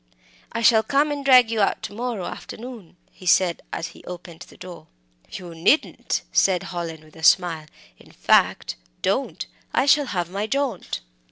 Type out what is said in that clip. "I shall come and drag you out to morrow afternoon," he said, as he opened the door. "You needn't," said Hallin, with a smile; "in fact, don't; I shall have my jaunt."